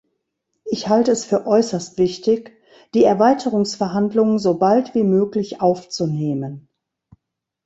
Ich halte es für äußerst wichtig, die Erweiterungsverhandlungen so bald wie möglich aufzunehmen.